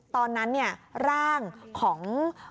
ตอนนั้นเนี่ยร่างของ